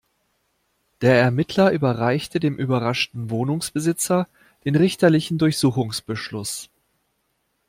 Der Ermittler überreichte dem überraschten Wohnungsbesitzer den richterlichen Durchsuchungsbeschluss.